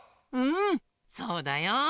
うんそうだよ。